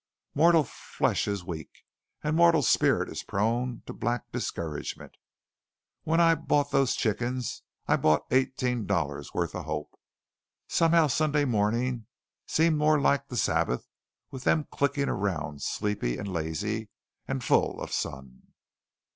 Mortal flesh is weak; and mortal spirit is prone to black discouragement. When I bought those chickens I bought eighteen dollars' worth of hope. Somehow Sunday morning seems more like the Sabbath with them clicking around sleepy and lazy and full of sun."